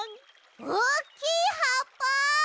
おっきいはっぱ！